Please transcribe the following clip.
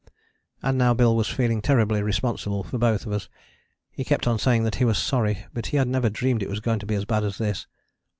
And now Bill was feeling terribly responsible for both of us. He kept on saying that he was sorry, but he had never dreamed it was going to be as bad as this.